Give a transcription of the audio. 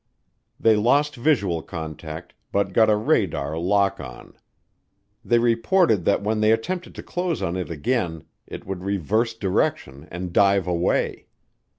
They lost visual contact, but got a radar lock on. They reported that when they attempted to close on it again it would reverse direction and dive away.